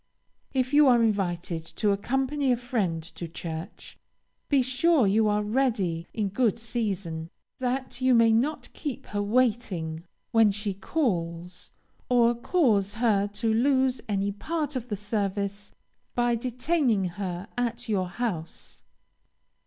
If you are invited to accompany a friend to church, be sure you are ready in good season, that you may not keep her waiting when she calls, or cause her to lose any part of the service by detaining her at your house.